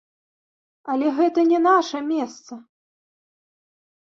Але гэта не наша месца!